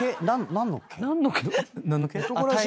何の毛？